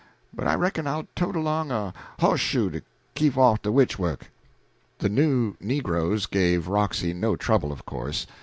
But I reckon I'll tote along a hoss shoe to keep off de witch work." The new negroes gave Roxy no trouble, of course.